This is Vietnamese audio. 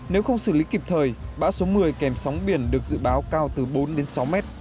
nếu không xử lý kịp thời bã số một mươi kèm sóng biển được dự báo cao từ bốn sáu m